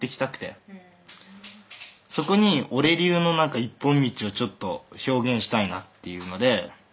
そこに俺流のなんか一本道をちょっと表現したいなっていうので。